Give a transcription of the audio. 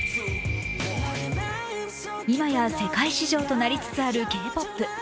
今や世界市場となりつつあるＫ−ＰＯＰ。